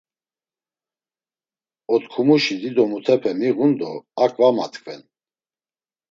Otkumuşi dido mutupe miğun do ak va matkven.